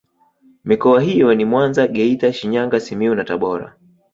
Mikoa hiyo ni Mwanza Geita Shinyanga Simiyu na Tabora